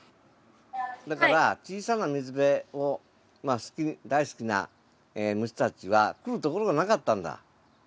だから小さな水辺を大好きな虫たちは来るところがなかったんだ。